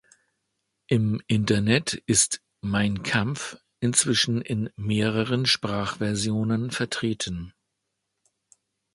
Im Internet ist "Mein Kampf" inzwischen in mehreren Sprachversionen vertreten.